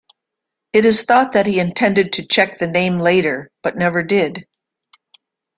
It is thought that he intended to check the name later, but never did.